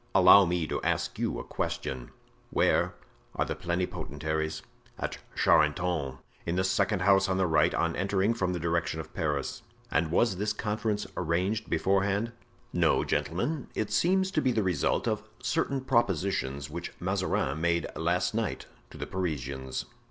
Allow me to ask you a question: Where are the plenipotentiaries?" "At Charenton, in the second house on the right on entering from the direction of Paris." "And was this conference arranged beforehand?" "No, gentlemen, it seems to be the result of certain propositions which Mazarin made last night to the Parisians."